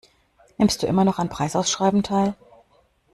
Nimmst du immer noch an Preisausschreiben teil?